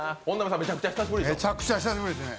めちゃくちゃ久しぶりですね。